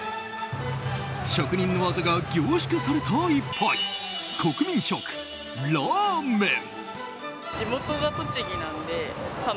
職人の技が凝縮された１杯国民食、ラーメン。